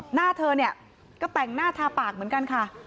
หน้าเธอเนี่ยก็แต่งหน้าทาปากเหมือนกันค่ะ